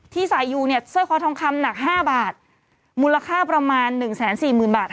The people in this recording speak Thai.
ที่สายอยู่เนี่ยสร้อยคอทองคำหนักห้าบาทมูลค่าประมาณหนึ่งแสนสี่หมื่นบาท